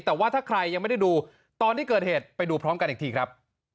แต่ว่าถ้าใครยังไม่ได้ดูตอนที่เกิดเหตุไปดูพร้อมกันอีกทีครับ